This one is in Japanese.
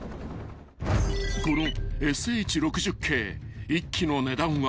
［このＳＨ−６０Ｋ］